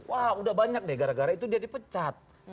wah udah banyak deh gara gara itu dia dipecat